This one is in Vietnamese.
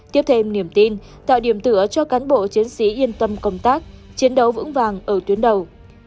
tiếp thêm niềm tin tạo điểm tựa cho cán bộ chiến sĩ yên tâm công tác chiến đấu vững vàng ở tuyến đầu